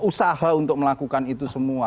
usaha untuk melakukan itu semua